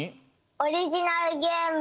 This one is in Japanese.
オリジナルゲーム？